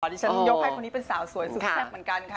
รอดิฉันโยกให้คนนี้เป็นสาวสวยสุดแซ่บกันค่ะ